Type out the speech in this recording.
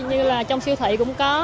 như là trong siêu thị cũng có